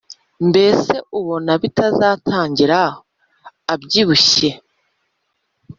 mbese ubona bitazatangira abyibushye